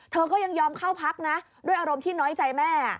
เธอก็ยังยอมเข้าพักนะด้วยอารมณ์ที่น้อยใจแม่